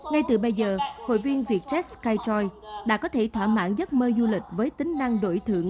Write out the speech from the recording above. ngay từ bây giờ hội viên vietjet skytroid đã có thể thỏa mãn giấc mơ du lịch với tính năng đổi thượng